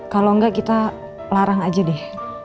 kalau enggak kita larang aja deh